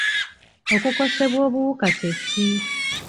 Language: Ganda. Okukosebwa obuwuka kye ki?